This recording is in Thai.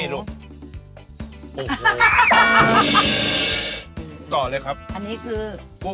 ต่อเลยครับคุ้มพันอ้อยนะครับอันนี้คือ